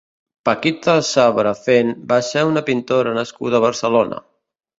Paquita Sabrafen va ser una pintora nascuda a Barcelona.